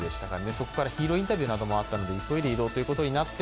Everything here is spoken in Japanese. そこからヒーローインタビューなどもあったので急いで移動となって